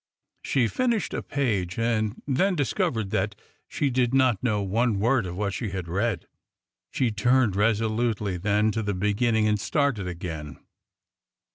She finished a page and then discovered that she did not know one word of what she had read. She turned resolutely then to the beginning and started again.